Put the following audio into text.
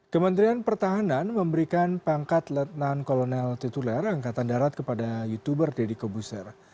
kementerian pertahanan memberikan pangkat letnan kolonel tituler angkatan darat kepada youtuber deddy kobuser